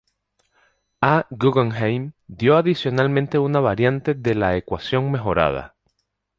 A. Guggenheim dio adicionalmente una variante de la ecuación mejorada.